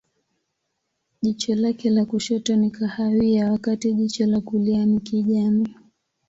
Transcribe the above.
Jicho lake la kushoto ni kahawia, wakati jicho la kulia ni kijani.